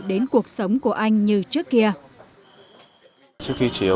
đến cuộc sống của anh như trước kia